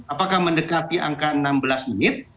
apakah mendekati angka enam belas menit